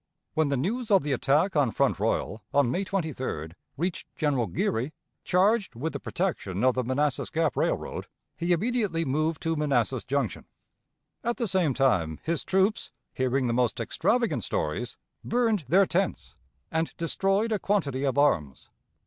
When the news of the attack on Front Royal, on May 23d, reached General Geary, charged with the protection of the Manassas Gap Railroad, he immediately moved to Manassas Junction. At the same time, his troops, hearing the most extravagant stories, burned their tents and destroyed a quantity of arms.